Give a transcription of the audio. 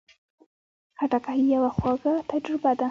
خټکی یوه خواږه تجربه ده.